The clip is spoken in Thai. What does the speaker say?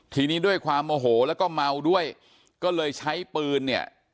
ทีนี้ด้วยความโมโหแล้วก็เมาด้วยก็เลยใช้ปืนเนี่ย